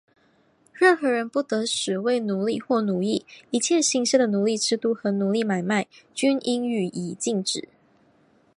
任何人不得使为奴隶或奴役;一切形式的奴隶制度和奴隶买卖,均应予以禁止。